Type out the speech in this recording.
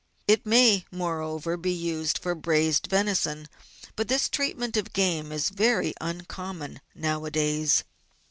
It may, moreover, be used for braised venison, but this treatment of game is very uncommon nowadays.